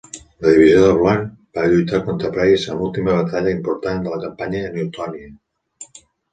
La divisió de Blunt va lluitar contra Price en l'última batalla important de la campanya a Newtonia.